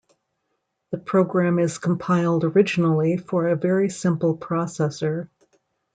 The program is compiled originally for a very simple processor.